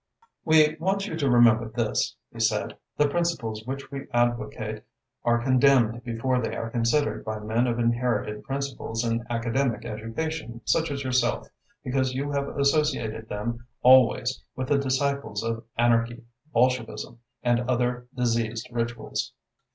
"We want you to remember this," he said. "The principles which we advocate are condemned before they are considered by men of inherited principles and academic education such as yourself, because you have associated them always with the disciples of anarchy, bolshevism, and other diseased rituals.